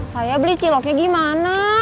saya beli ciloknya gimana